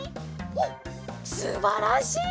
おっすばらしい。